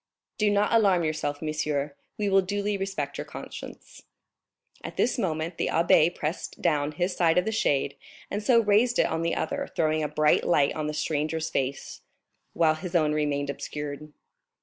"Do not alarm yourself, monsieur, we will duly respect your conscience." At this moment the abbé pressed down his side of the shade and so raised it on the other, throwing a bright light on the stranger's face, while his own remained obscured.